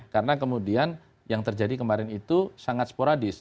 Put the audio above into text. karena kemudian yang terjadi kemarin itu sangat sporadis